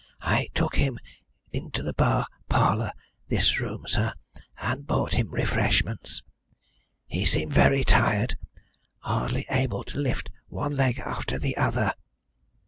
I took him into the bar parlour this room, sir and brought him refreshments. He seemed very tired hardly able to lift one leg after the other."